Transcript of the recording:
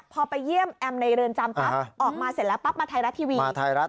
พอไปเยี่ยมแอมในเรือนจำปั๊บออกมาเสร็จแล้วปั๊บมาไทยรัฐทีวี